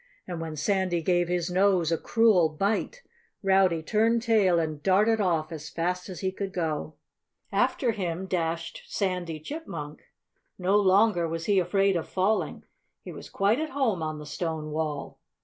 And when Sandy gave his nose a cruel bite Rowdy turned tail and darted off as fast as he could go. After him dashed Sandy Chipmunk. No longer was he afraid of falling. He was quite at home on the stone wall.